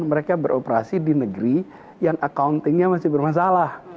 mereka beroperasi di negeri yang accounting nya masih bermasalah